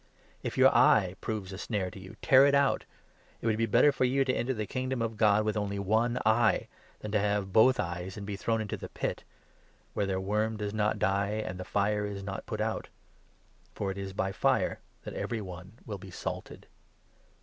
If your eye proves 47 a snare to you, tear it out. It would be better for you to enter the Kingdom of God with only one eye, than to have both eyes and be thrown into the Pit, where ' their worm does 48 not die, and the fire is not put out.' For it is by fire that every 49 one will be salted.